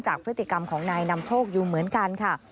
พฤติกรรมของนายนำโชคอยู่เหมือนกันค่ะ